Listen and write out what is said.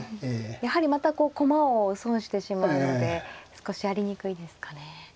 やはりまた駒を損してしまうので少しやりにくいですかね。